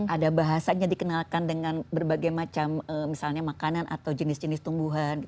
ada bahasanya dikenalkan dengan berbagai macam misalnya makanan atau jenis jenis tumbuhan